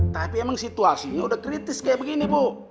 tapi emang situasinya udah kritis kayak begini bu